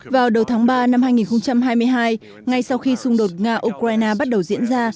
vào đầu tháng ba năm hai nghìn hai mươi hai ngay sau khi xung đột nga ukraine bắt đầu diễn ra